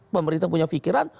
pemerintah punya fikiran